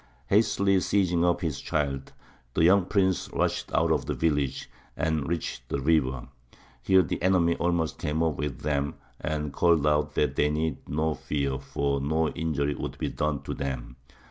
Hastily seizing up his child, the young prince rushed out of the village, and reached the river. Here the enemy almost came up with them, and called out that they need have no fear, for no injury would be done to them.